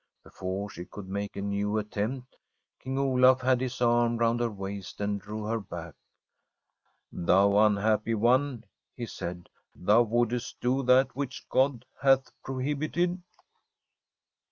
Before she could make a new attempt. King Olaf had his arm round her waist and drew her back. ' Thou unhappy one !' he said. ' Thou would est do that which Gk)d hath prohibited.'